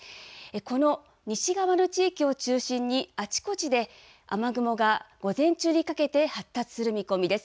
この西側の地域を中心に、あちこちで、雨雲が午前中にかけて発達する見込みです。